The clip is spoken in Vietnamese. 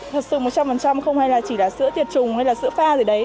thật sự một trăm linh không hay là chỉ là sữa tiệt trùng hay là sữa pha gì đấy